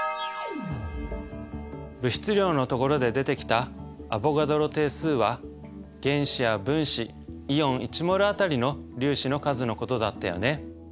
物質量のところで出てきたアボガドロ定数は原子や分子イオン１ｍｏｌあたりの粒子の数のことだったよね。